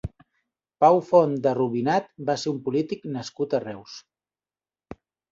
Pau Font de Rubinat va ser un polític nascut a Reus.